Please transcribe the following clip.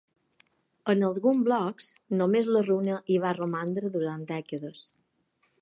En alguns blocs, només la runa hi va romandre durant dècades.